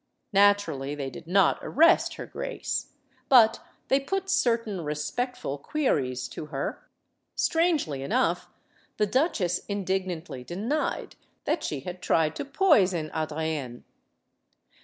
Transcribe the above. Naturally, they did not arrest her grace. But they put certain respectful queries to her. Strangely enough, the duchesse indignantly denied that she had tried to poison Adrienne.